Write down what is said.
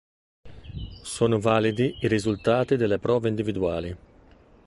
Sono validi i risultati delle prove individuali.